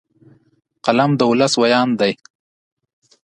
قلم د ولس ویاند دی